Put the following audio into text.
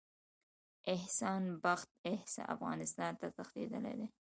احسان بخت افغانستان ته تښتېدلی دی.